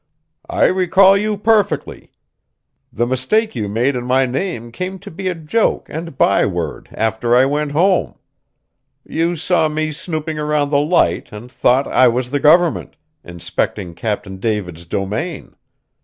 "I recall you perfectly. The mistake you made in my name came to be a joke and byword after I went home. You saw me snooping around the Light and thought I was the Government, inspecting Captain David's domain.